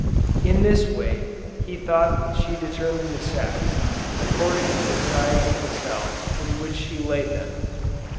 In this way he thought she determined the sex, according to the size of the cells in which she laid them.